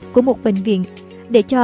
của một bệnh viện để cho